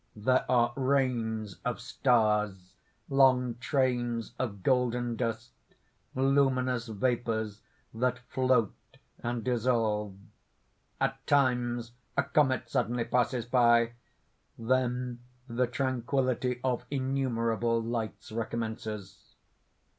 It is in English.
There are rains of stars, long trains of golden dust, luminous vapours that float and dissolve. At times a comet suddenly passes by; then the tranquillity of innumerable lights recommences.